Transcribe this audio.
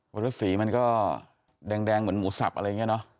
แล้วสีมันก็แดงเหมือนหมูสับอะไรอย่างนี้เนอะ